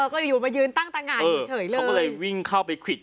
ก็เลยวิ่งเข้าไปคลิด